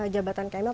jabatan kak emil